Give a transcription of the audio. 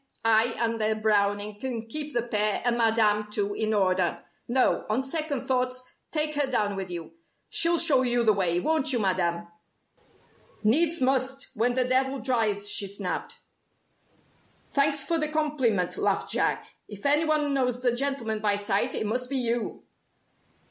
"I and a Browning can keep the pair and Madame, too, in order. No, on second thoughts take her down with you. She'll show you the way, won't you, Madame?" "Needs must, when the Devil drives," she snapped. "Thanks for the compliment," laughed Jack. "If any one knows the gentleman by sight, it must be you!"